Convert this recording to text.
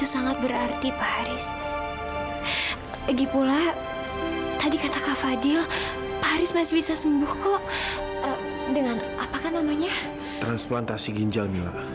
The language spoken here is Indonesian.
yang bisa melakukannya hanya satu orang